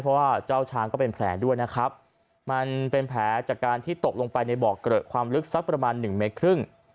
เพราะว่าเจ้าช้างก็เป็นแผลด้วยนะครับมันเป็นแผลจากการที่ตกลงไปในบ่อเกลอะความลึกสักประมาณหนึ่งเมตรครึ่ง